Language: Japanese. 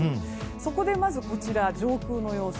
そこで、まず上空の様子。